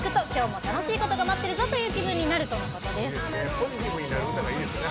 ポジティブになる歌がいいですね